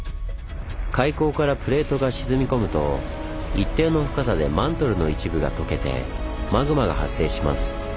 海溝からプレートが沈み込むと一定の深さでマントルの一部が溶けてマグマが発生します。